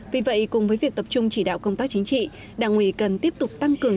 vì vậy cùng với việc tập trung chỉ đạo công tác chính trị đảng ủy cần tiếp tục tăng cường